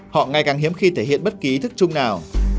họ ngày càng hiếm khi thể hiện bất kỳ ý thức chung nào